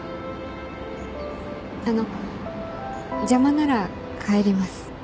あの邪魔なら帰ります。